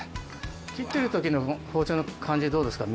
切ってる時の包丁の感じどうですか？